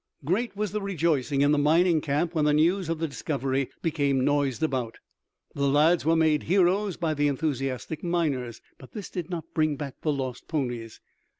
Great was the rejoicing in the mining camp when the news of the discovery became noised about. The lads were made heroes by the enthusiastic miners. But this did not bring back the lost ponies.